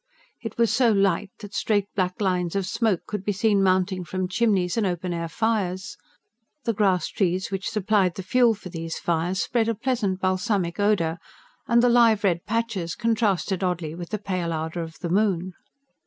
It was so light that straight black lines of smoke could be seen mounting from chimneys and open air fires. The grass trees which supplied the fuel for these fires spread a pleasant balsamic odour, and the live red patches contrasted oddly with the pale ardour of the moon.